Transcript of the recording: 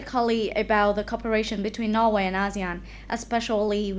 chúng tôi cảm thấy chúng tôi có nhiều việc phải làm